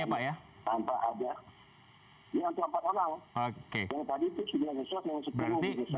yang tadi itu sudah disesuaikan